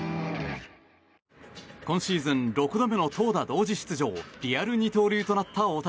今シーズン６度目の投打同時出場リアル二刀流となった大谷。